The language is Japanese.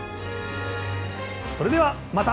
それではまた！